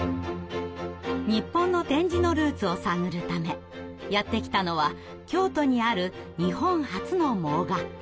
日本の点字のルーツを探るためやって来たのは京都にある日本初の盲学校。